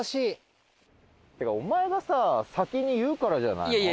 ってかお前がさ先に言うからじゃないの？